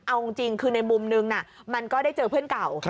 เอาจริงคือในมุมนึงมันก็ได้เจอเพื่อนเก่า